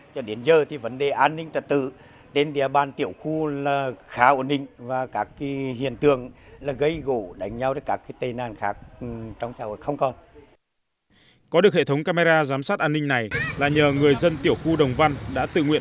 có được hệ thống camera giám sát an ninh này là nhờ người dân tiểu khu đồng văn đã tự nguyện